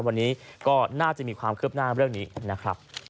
วันนี้ก็น่าจะมีความคืบหน้าเรื่องนี้นะครับ